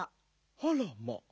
あらまあ。